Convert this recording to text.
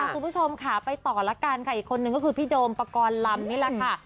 คุณผู้ชมค่ะไปต่อละกันค่ะอีกคนนึงก็คือพี่โดมปกรณ์ลำนี่แหละค่ะ